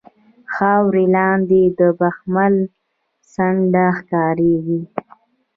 خاورو لاندې د بخمل څنډه ښکاریږي